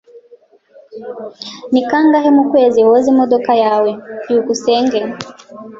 Ni kangahe mu kwezi woza imodoka yawe? byukusenge